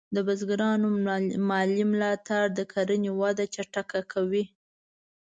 د بزګرانو مالي ملاتړ د کرنې وده چټکه کوي.